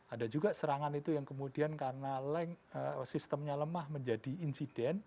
ada juga serangan itu yang kemudian karena sistemnya lemah menjadi insiden